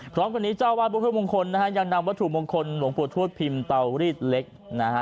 พร้อมกันนี้เจ้าวาดบุภมงคลนะฮะยังนำวัตถุมงคลหลวงปู่ทวดพิมพ์เตารีดเล็กนะฮะ